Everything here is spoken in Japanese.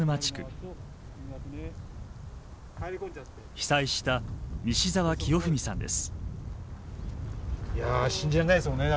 被災した西澤清文さんです。